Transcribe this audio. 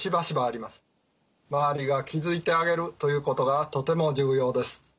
周りが気づいてあげるということがとても重要です。